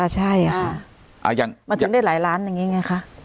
ใช่ค่ะมันถึงได้หลายล้านอย่างนี้ไงคะ